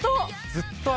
ずっと雨。